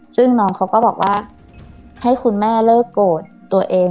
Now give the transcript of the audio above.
ซึ่งน้องเขาก็บอกว่าให้คุณแม่เลิกโกรธตัวเอง